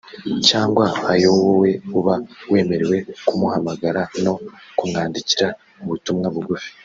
cyangwa ayo wowe uba wemerewe kumuhamagara no kumwandikira ubutumwa bugufi